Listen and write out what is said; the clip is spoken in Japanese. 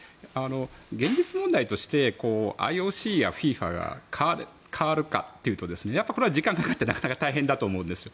現実問題としてＩＯＣやＦＩＦＡが変わるかというとこれは時間がかかってなかなか大変だと思います。